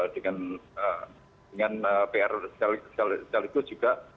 dengan pr sekaligus juga